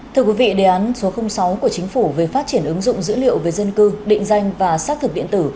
thưa quý vị đề án số sáu của chính phủ về phát triển ứng dụng dữ liệu về dân cư định danh và xác thực điện tử